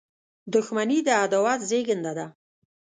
• دښمني د عداوت زیږنده ده.